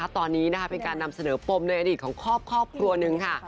ตอนนี้เป็นการนำเสนอปมในอดีตของครอบครัวหนึ่งค่ะ